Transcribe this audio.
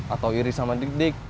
atau iris sama dik dik